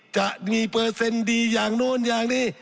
จะมีเปอร์เซ็นต์ดีอย่างโน้นอย่างนี้